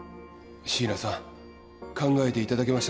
椎名さん考えていただけまし